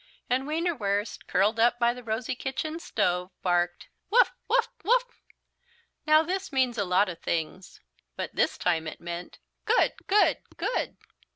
And Wienerwurst, curled up by the rosy kitchen stove, barked, "Woof, woof, woof." Now this means a lot of things. But this time it meant, "Good, good, good."